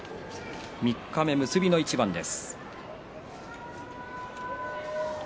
三日目結びの一番です。